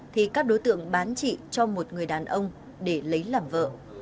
thì các đối tượng bán chị cho một người đàn ông để lấy làm vợ